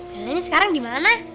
bellanya sekarang dimana